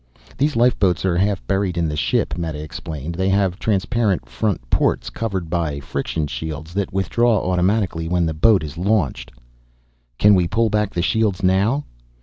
"These lifeboats are half buried in the ship," Meta explained. "They have transparent front ports covered by friction shields that withdraw automatically when the boat is launched." "Can we pull back the shields now?"